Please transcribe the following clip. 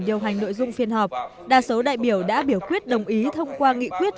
điều hành nội dung phiên họp đa số đại biểu đã biểu quyết đồng ý thông qua nghị quyết